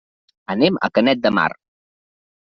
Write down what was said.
Anem a Canet de Mar.